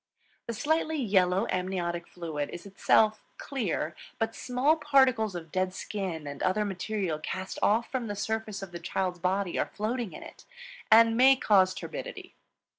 The slightly yellow amniotic fluid is itself clear, but small particles of dead skin and other material cast off from the surface of the child's body are floating in it, and may cause turbidity.